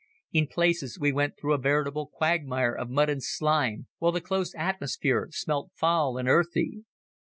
In places we went through a veritable quagmire of mud and slime, while the close atmosphere smelt foul and earthy.